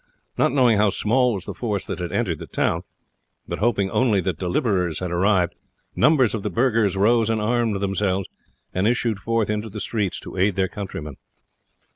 Not knowing how small was the force that had entered the town, but hoping only that deliverers had arrived, numbers of the burghers rose and armed themselves, and issued forth into the streets to aid their countrymen.